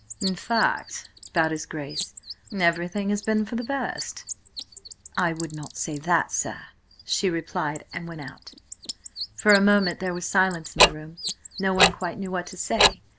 "In fact," bowed his Grace, "everything has been for the best!" "I would not say that, sir," she replied, and went out. For a moment there was silence in the room. No one quite knew what to say.